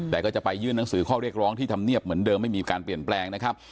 แต่ก็จะไปยื่นหนังสือข้อเรียกร้องที่ทำเนียบเหมือนเดิมไม่มีการเปลี่ยนแปลงนะครับ